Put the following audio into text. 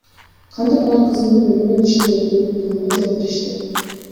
Кантип алар кызымды бөлүмдүн ичинде өлтүртүүгө жол беришти?